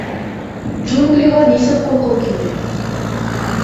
ДЖУНГЛИҒА НИСЕК ҠУРҠЫУ КИЛДЕ